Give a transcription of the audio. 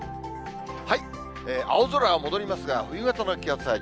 青空が戻りますが、冬型の気圧配置。